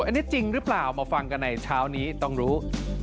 อันนี้จริงหรือเปล่ามาฟังกันในเช้านี้ต้องรู้